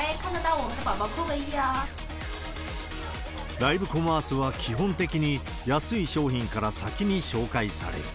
ライブコマースは基本的に安い商品から先に紹介される。